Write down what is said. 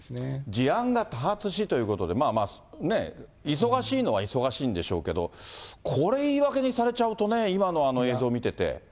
事案が多発しということで、まあまあ、ねえ、忙しいのは忙しいんでしょうけど、これ、言い訳にされちゃうとね、今の映像見てて。